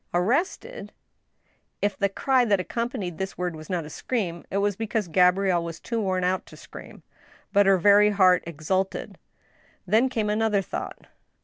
"Arrested!" If the cry that accompanied this word was not a scream, it was because Gabrielle was too worn out to scream. But her very heart exulted. Then came another thought.